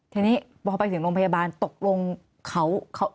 ทีนี้พอไปถึงโรงพยาบาลตกลงเขา